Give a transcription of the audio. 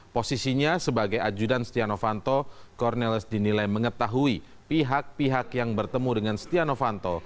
posisinya sebagai ajudan stiano fanto cornelis dinilai mengetahui pihak pihak yang bertemu dengan stiano fanto